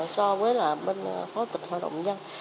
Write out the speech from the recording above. so với là bên phó tịch hội đồng nhân